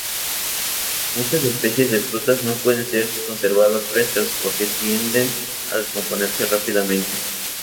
Muchas especies de frutas no pueden ser conservadas frescas, porque tienden a descomponerse rápidamente.